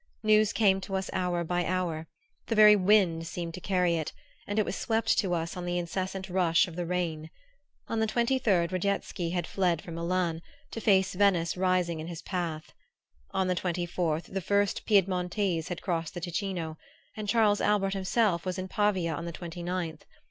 News came to us hour by hour: the very wind seemed to carry it, and it was swept to us on the incessant rush of the rain. On the twenty third Radetsky had fled from Milan, to face Venice rising in his path. On the twenty fourth the first Piedmontese had crossed the Ticino, and Charles Albert himself was in Pavia on the twenty ninth.